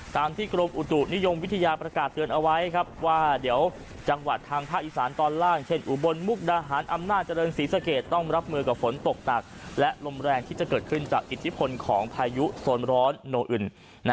ตามที่กรมอุตุนิยมวิทยาประกาศเตือนเอาไว้ว่าเดี๋ยวจังหวัดทางภาคอีสานตอนล่างเช่นอุบลมุกดาหารอำนาจเจริญศรีสะเกดต้องรับมือกับฝนตกหนักและลมแรงที่จะเกิดขึ้นจากอิทธิพลของพายุโซนร้อนโนอื่น